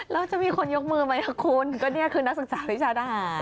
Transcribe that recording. แล้วจะมีคนยกมือไหมล่ะคุณก็นี่คือนักศึกษาวิชาทหาร